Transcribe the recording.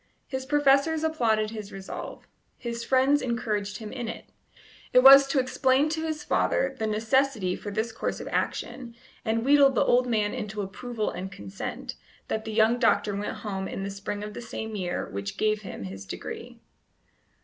His professors applauded his resolve; his friends encouraged him in it. It was to explain to his father the necessity for this course of action, and wheedle the old man into approval and consent, that the young doctor went home in the spring of the same year which gave him his degree.